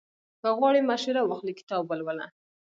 که غواړې مشوره واخلې، کتاب ولوله.